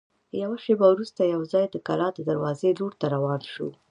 یوه شېبه وروسته یوځای د کلا د دروازې لور ته روان شوو.